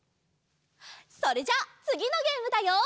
それじゃあつぎのゲームだよ！